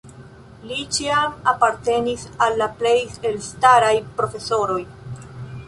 Li ĉiam apartenis al la plej elstaraj profesoroj.